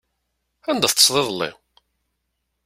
Anda teṭṭseḍ iḍelli?